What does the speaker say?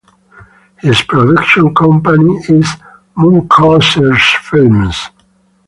His production company is Mooncusser Films.